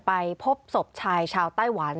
ไปพบศพชายชาวไต้หวัน